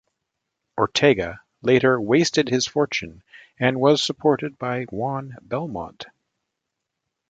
Ortega later wasted his fortune, and was supported by Juan Belmonte.